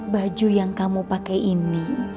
baju yang kamu pakai ini